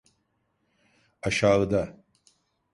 Aşağıda.